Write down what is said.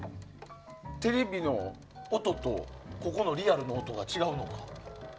テレビの音とここのリアルな音が違うのか。